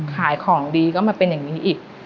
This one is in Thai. ก็เป็นอย่างนี้อีก